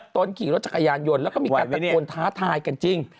ตนขี่รถจักรยานยนต์แล้วก็มีการตะโกนท้าทายกันจริง